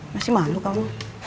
masih malu kamu